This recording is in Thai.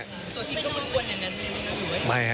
ตัวจริงก็กล้วนอย่างนั้นไหมครับ